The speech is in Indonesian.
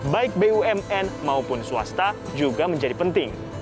baik bumn maupun swasta juga menjadi penting